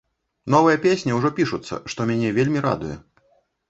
Новыя песні ўжо пішуцца, што мяне вельмі радуе.